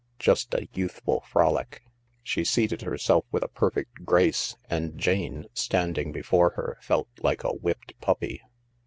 Just a youthful frolic." She seated herself with a perfect grace, and Jane, standing before her, felt like a whipped puppy.